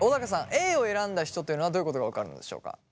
Ａを選んだ人というのはどういうことが分かるんでしょうか？